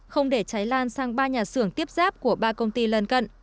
không để cháy lan sang ba nhà xưởng tiếp giáp của ba công ty lần cận